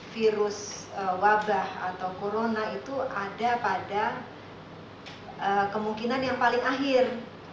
virus wabah atau corona itu ada pada kemungkinan yang paling akhir